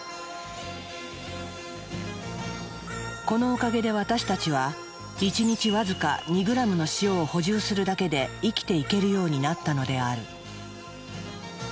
このおかげで私たちは１日僅か２ｇの塩を補充するだけで生きていけるようになったのである。